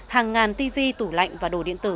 hàng ngàn tv tủ lạnh và đồ điện tử